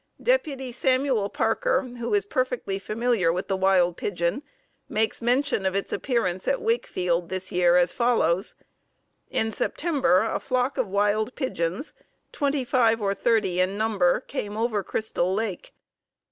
Deputy Samuel Parker, who is perfectly familiar with the wild pigeon, makes mention of its appearance at Wakefield this year as follows: "In September a flock of wild pigeons, twenty five or thirty in number, came over Crystal Lake."